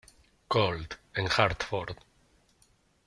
Colt, en Hartford.